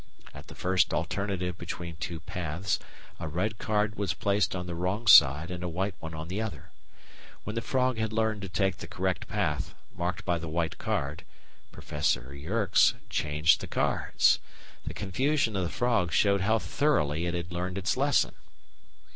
At the first alternative between two paths, a red card was placed on the wrong side and a white one on the other. When the frog had learned to take the correct path, marked by the white card, Prof. Yerkes changed the cards. The confusion of the frog showed how thoroughly it had learned its lesson.